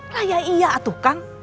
lah ya iya atuh kang